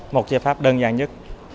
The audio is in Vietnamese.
một gia pháp đơn giản nhất